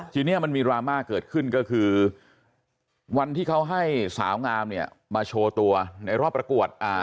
ทีนี้มันมีดราม่าเกิดขึ้นก็คือวันที่เขาให้สาวงามเนี่ยมาโชว์ตัวในรอบประกวดอ่า